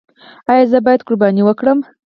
ایا زه باید قرباني وکړم؟